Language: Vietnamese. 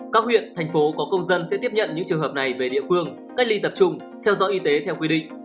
các huyện thành phố có công dân sẽ tiếp nhận những trường hợp này về địa phương cách ly tập trung theo dõi y tế theo quy định